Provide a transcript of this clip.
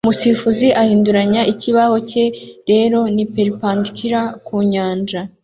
Umusifuzi ahinduranya ikibaho cye rero ni perpendicular ku nyanja